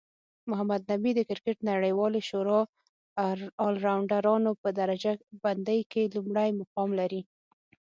محمد نبي د کرکټ نړیوالی شورا الرونډرانو په درجه بندۍ کې لومړی مقام لري